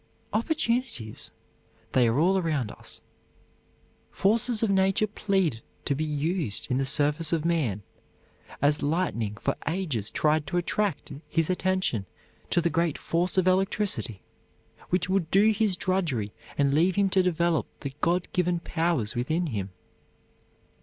Opportunities? They are all around us. Forces of nature plead to be used in the service of man, as lightning for ages tried to attract his attention to the great force of electricity, which would do his drudgery and leave him to develop the God given powers within him.